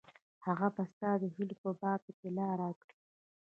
هغه به ستا د هیلو په باب اطلاع راکړي.